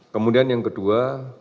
kemudian yang kedua